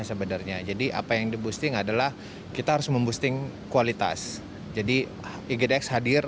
sebenarnya jadi apa yang dibuat tinggal adalah kita harus memposting kualitas jadi igdx hadir